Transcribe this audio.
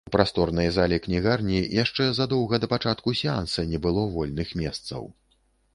У прасторнай залі кнігарні яшчэ задоўга да пачатку сеанса не было вольных месцаў.